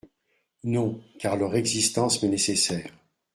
Non… car leur existence m’est nécessaire.